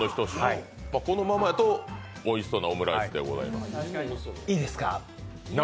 このままやと、おいしそうなオムライスでございます。